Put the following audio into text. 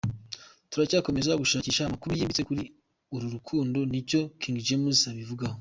Turacyakomeza gushakisha amakuru yimbitse kuri uru rukundo n’icyo King James abivugaho.